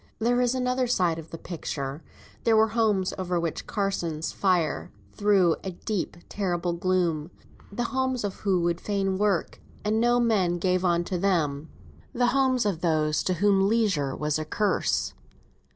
There is another side to the picture. There were homes over which Carsons' fire threw a deep, terrible gloom; the homes of those who would fain work, and no man gave unto them the homes of those to whom leisure was a curse.